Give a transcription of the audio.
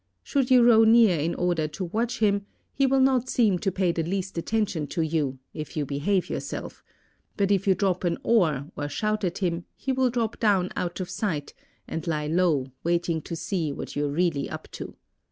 Should you row near in order to watch him, he will not seem to pay the least attention to you if you behave yourself; but if you drop an oar or shout at him he will drop down out of sight and lie low waiting to see what you are really up to.